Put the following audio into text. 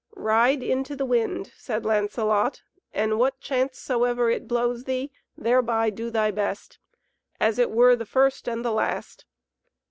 "Ride into the wind," said Lancelot, "and what chance soever it blows thee, thereby do thy best, as it were the first and the last.